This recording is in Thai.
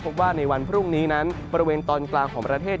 พบว่าในวันพรุ่งนี้นั้นบริเวณตอนกลางของประเทศ